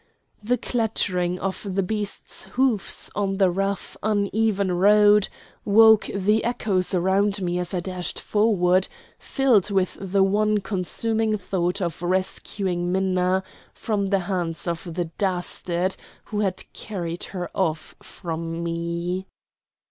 The clattering of the beast's hoofs on the rough, uneven road woke the echoes around me as I dashed forward, filled with the one consuming thought of rescuing Minna from the hands of the dastard who had carried her off from me.